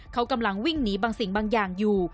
เขากำลังวิ่งหนีบางสิ่งบางอย่างอยู่